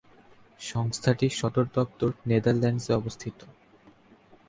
সংস্থাটির সদর দপ্তর নেদারল্যান্ডসে অবস্থিত।